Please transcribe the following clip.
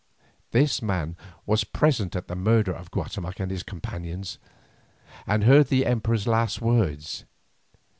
This man was present at the murder of Guatemoc and his companions, and heard the Emperor's last words.